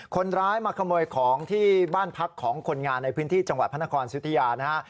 คนร้ายมาขโมยของที่บ้านพักของคนงานในพื้นที่จังหวัดพระนครสุธิยานะฮะ